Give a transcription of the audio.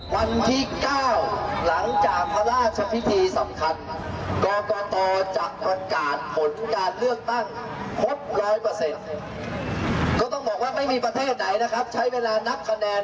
มีอยู่บัตรเดียวครับเดี๋ยวนี้มีอยู่๒บัตร